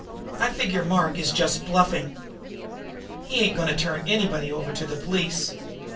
I figure Mark is just bluffing. He ain't going to turn anybody over to the police.